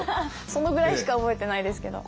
そのぐらいしか覚えてないですけど。